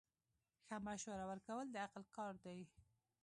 ښه مشوره ورکول د عقل کار دی.